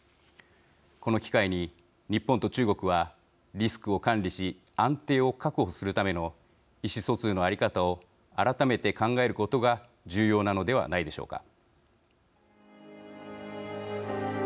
この機会に、日本と中国はリスクを管理し安定を確保するための意思疎通の在り方を改めて考えることが重要なのではないでしょうか。